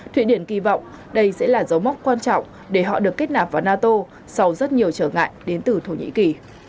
thụy điển kỳ vọng đây sẽ là dấu mốc quan trọng để họ được kết nạp vào nato sau rất nhiều trở ngại đến từ thổ nhĩ kỳ